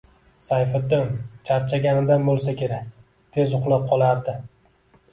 Sayfiddin charchaganidan bo‘lsa kerak, tez uxlab qolardi